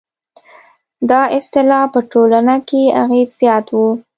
دا اصطلاح په ټولنه کې اغېز زیات و.